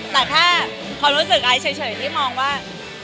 แต่แค่ความรู้สึกไอซ์เฉยที่มองว่า